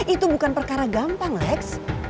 itu bukan perkara gampang lex